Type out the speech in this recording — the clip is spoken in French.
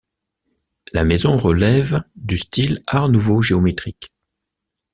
La maison relève du style Art nouveau géométrique.